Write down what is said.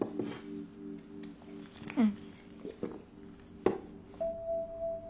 うん。